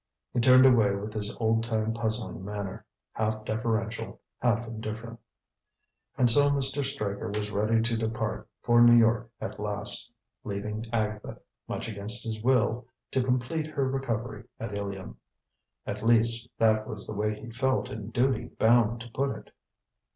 He turned away with his old time puzzling manner, half deferential, half indifferent. And so Mr. Straker was ready to depart for New York at last, leaving Agatha, much against his will, to "complete her recovery" at Ilion. At least, that was the way he felt in duty bound to put it.